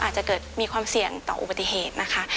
อาจจะเกิดมีความเสี่ยงต่ออุบัติเหตุนะคะ